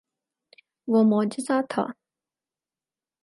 وہ معجزہ تھا۔